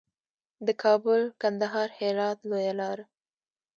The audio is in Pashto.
د کابل، کندهار، هرات لویه لار.